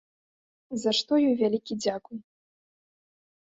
За што ёй вялікі дзякуй.